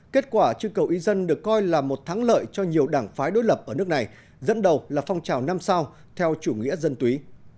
kết quả trưng cầu ý dân được coi là một thắng lợi cho nhiều đảng phái đối lập ở nước này dẫn đầu là phong trào năm sau theo chủ nghĩa dân túy